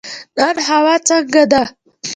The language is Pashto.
نن هوا څنګه ده؟